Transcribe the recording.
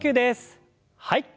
はい。